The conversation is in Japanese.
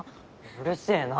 うるせぇな。